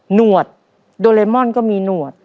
หวดโดเรมอนก็มีหนวด